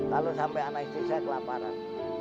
kalau sampai anak istri saya kelaparan